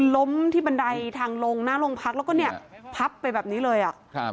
ล้มที่บันไดทางลงหน้าโรงพักแล้วก็เนี่ยพับไปแบบนี้เลยอ่ะครับ